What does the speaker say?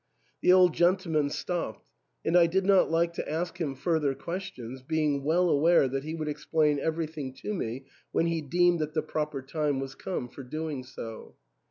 The old gentleman stopped ; and I did not like to ask him further questions, being well aware that he would explain everything to me when he deemed that the proper time was come for doing so.